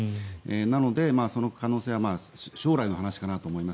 なので、その可能性は将来の話かなと思います。